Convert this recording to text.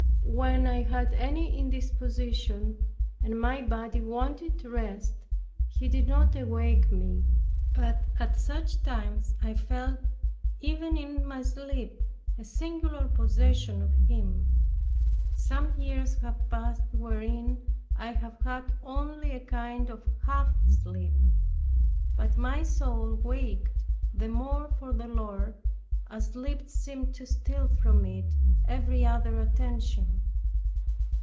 When I had any indisposition, and my body wanted rest, He did not awake me; but at such times I felt even in my sleep a singular possession of Him. Some years have passed wherein I have had only a kind of half sleep; but my soul waked the more for the Lord, as sleep seemed to steal from it every other attention.